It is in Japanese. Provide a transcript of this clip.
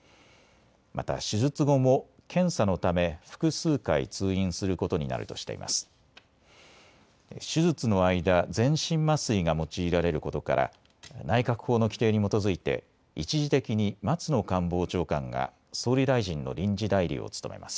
また手術後も検査のため複数回通院することになるとしています。